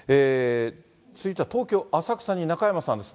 続いては東京・浅草に中山さんです。